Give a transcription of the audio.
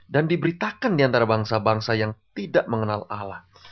dan diberitakan diantara bangsa bangsa yang tidak mengenal allah